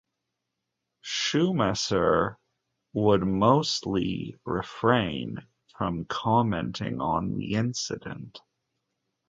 Schumacher would mostly refrain from commenting on the incident.